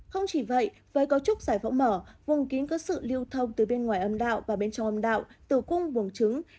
không chỉ vậy với cấu trúc giải phẫu mở vùng kín có sự lưu thông từ bên ngoài âm đạo và bên trong âm đạo tử cung buồng trứng